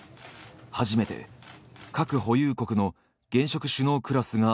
初めて核保有国の現職首脳クラスが訪れた。